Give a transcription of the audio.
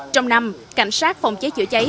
trong năm cảnh sát phòng cháy chữa cháy